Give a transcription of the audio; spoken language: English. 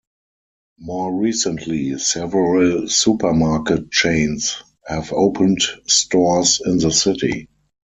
More recently several supermarket chains have opened stores in the city.